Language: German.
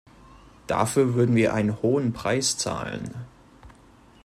Dafür würden wir einen hohen Preis zahlen.